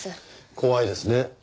怖いですね。